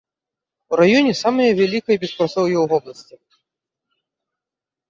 У раёне самае вялікае беспрацоўе ў вобласці.